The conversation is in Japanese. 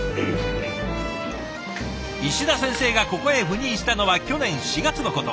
石田先生がここへ赴任したのは去年４月のこと。